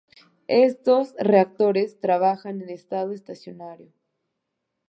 Estos reactores trabajan en estado estacionario.